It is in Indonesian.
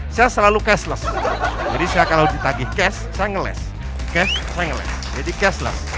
saya selalu cashless jadi saya kalau ditagih cash saya ngeles cash lengles jadi cashless